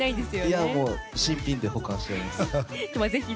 いや、もう新品で保管しています。